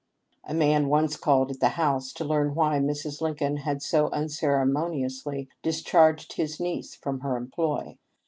A man once called at the house to learn why Mrs. Lincoln had so unceremoniously discharged his niece from her employ.